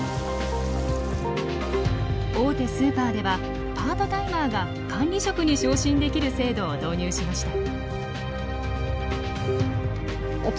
大手スーパーではパートタイマーが管理職に昇進できる制度を導入しました。